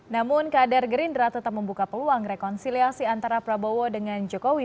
namun kader gerindra tetap membuka peluang rekonsiliasi antara prabowo dengan jokowi